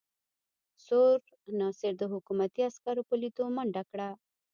سور ناصر د حکومتي عسکرو په لیدو منډه کړه.